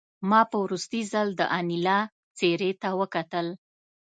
ما په وروستي ځل د انیلا څېرې ته وکتل